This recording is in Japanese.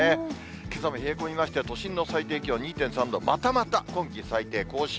けさも冷え込みまして、都心の最低気温２．３度、またまた今季最低更新。